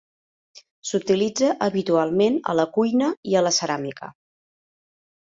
S'utilitza habitualment a la cuina i la ceràmica.